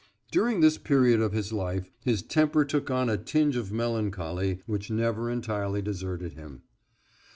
During this period of his life his temper took on a tinge of melancholy which never entirely deserted him.